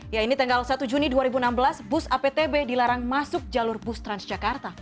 ya ini tanggal satu juni dua ribu enam belas bus aptb dilarang masuk jalur bus transjakarta